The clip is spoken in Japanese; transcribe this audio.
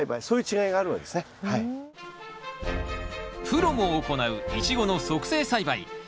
プロも行うイチゴの促成栽培。